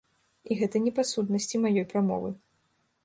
І гэта не па сутнасці маёй прамовы.